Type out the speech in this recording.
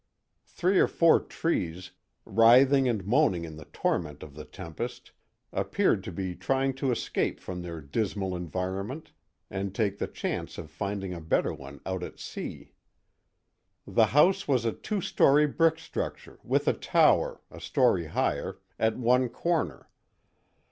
Three or four trees, writhing and moaning in the torment of the tempest, appeared to be trying to escape from their dismal environment and take the chance of finding a better one out at sea. The house was a two story brick structure with a tower, a story higher, at one corner.